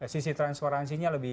sisi transparansinya lebih